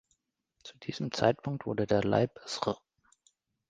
Zu diesem Zeitpunkt wurden der Leib Sr.